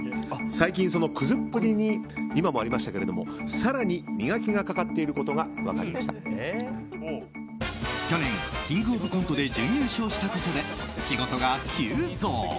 最近、そのクズっぷりに今もありましたけれども更に磨きがかかっていることが去年「キングオブコント」で準優勝したことで仕事が急増。